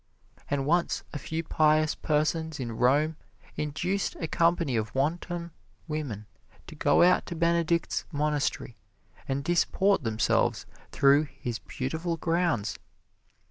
And once a few pious persons in Rome induced a company of wanton women to go out to Benedict's monastery and disport themselves through his beautiful grounds.